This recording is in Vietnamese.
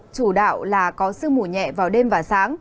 chủ đạo là có sương mù nhẹ vào đêm và sáng